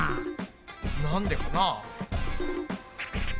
なんでかな？